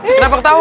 eh kenapa ketawa